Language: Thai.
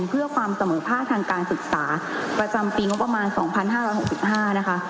เพื่อความเสมอภาคทางการศึกษาประจำปีงบประมาณ๒๕๖๕นะคะ